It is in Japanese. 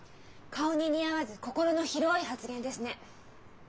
顔に似合わず心の広い発言ですね。